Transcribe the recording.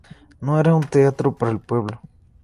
No era un teatro para el pueblo.